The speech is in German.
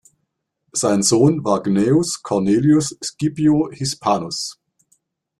Sein Sohn war Gnaeus Cornelius Scipio Hispanus.